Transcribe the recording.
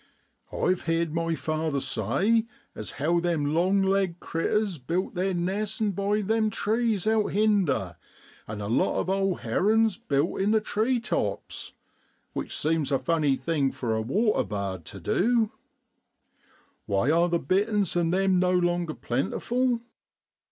I've heerd my father say as how them long legged critters built their neesen by them trees out hinder, an' a lot of old herons built in the treetops, which seems a funny thing for a waterbard tu du. Why are the bitterns an' them no longer plentiful?